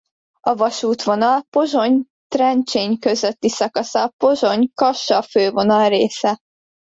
A vasútvonal Pozsony-Trencsény közötti szakasza a Pozsony-Kassa fővonal része.